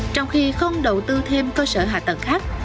trong khi không đầu tư thêm cơ sở hạ tầng khác